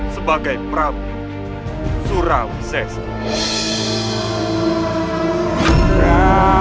sebagai prabu surawisesa